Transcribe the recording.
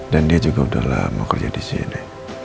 dan dia juga udah lama kerja disini